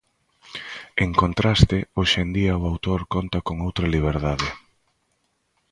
En contraste, hoxe en día o autor conta con outra liberdade.